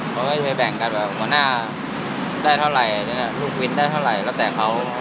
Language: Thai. เขาก็จะไปแบ่งกันแบบหัวหน้าได้เท่าไหร่ลูกวินได้เท่าไหร่แล้วแต่เขา